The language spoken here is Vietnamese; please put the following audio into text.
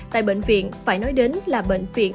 tại bệnh viện phải nói đến là bệnh viện